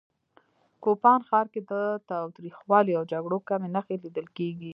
کوپان ښار کې د تاوتریخوالي او جګړو کمې نښې لیدل کېږي